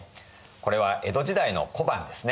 これは江戸時代の小判ですね。